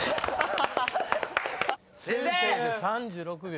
先生で３６秒。